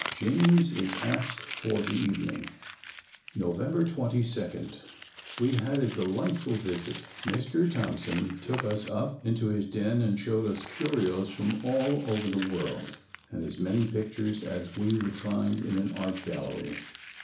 James is asked for the evening. November 22. We had a delightful visit. Mr. Thompson took us up into his den and showed us curios from all over the world and as many pictures as we would find in an art gallery.